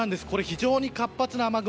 非常に活発な雨雲。